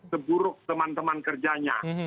seburuk teman teman kerjanya